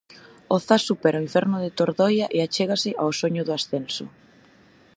O Zas supera o inferno de Tordoia e achégase ao soño do ascenso.